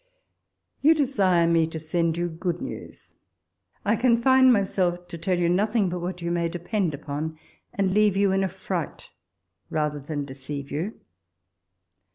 You desire me to send you news: I con walpole's letters. 35 fine myself to tell you nothing but what you may depend upon ; and leave you in a fright rather than deceive you.